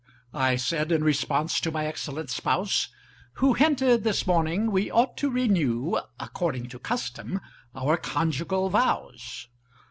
I said in response to my excellent spouse, Who hinted, this morning, we ought to renew According to custom, our conjugal vows.